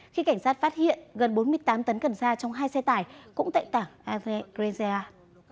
khi cảnh sát phát hiện gần bốn mươi tám tấn cần xa trong hai xe tải cũng tại tảng aguerresas